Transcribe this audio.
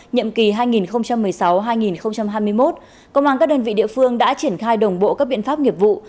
nhiệm kỳ hai nghìn một mươi sáu hai nghìn hai mươi một công an các đơn vị địa phương đã triển khai đồng bộ các biện pháp nghiệp vụ